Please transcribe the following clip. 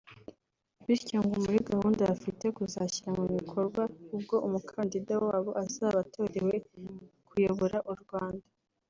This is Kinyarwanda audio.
bityo ngo muri gahunda bafite kuzashyira mu bikorwa ubwo umukandida wabo azaba atorewe kuyobora u Rwanda